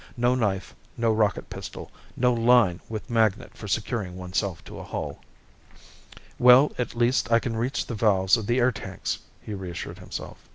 No knife, no rocket pistol, no line with magnet for securing oneself to a hull. Well, at least I can reach the valves of the air tanks, he reassured himself.